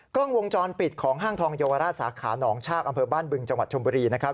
กล้องวงจรปิดของห้างทองเยาวราชสาขาหนองชากอำเภอบ้านบึงจังหวัดชมบุรีนะครับ